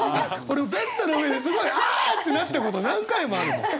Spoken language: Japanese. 俺ベッドの上ですごいあ！ってなったこと何回もあるもん。